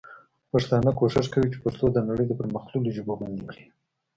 پښتانه کوښښ کوي چي پښتو د نړۍ د پر مختللو ژبو غوندي کړي.